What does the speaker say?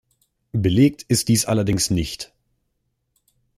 Belegt ist dies allerdings nicht.